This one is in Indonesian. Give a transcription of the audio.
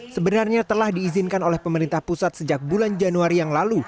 sebenarnya telah diizinkan oleh pemerintah pusat sejak bulan januari yang lalu